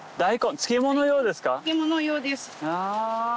漬物用です。